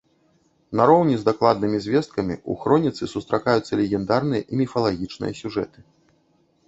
Нароўні з дакладнымі звесткамі, у хроніцы сустракаюцца легендарныя і міфалагічныя сюжэты.